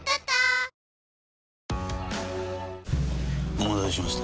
お待たせしました。